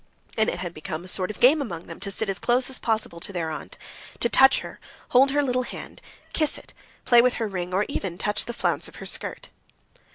And it had become a sort of game among them to sit as close as possible to their aunt, to touch her, hold her little hand, kiss it, play with her ring, or even touch the flounce of her skirt.